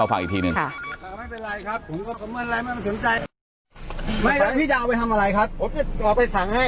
ไม่ได้พี่จะเอาไปทำอะไรครับออกไปสั่งให้